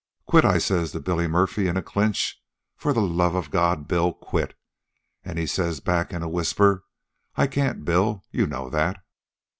"'Quit,' I says to Billy Murphy in a clinch; 'for the love of God, Bill, quit.' An' he says back, in a whisper, 'I can't, Bill you know that.'